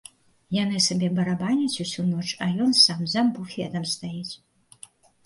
Яны сабе барабаняць усю ноч, а ён сам за буфетам стаіць.